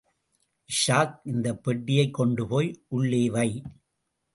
இஷாக், இந்தப் பெட்டியைக் கொண்டு போய் உள்ளேவை.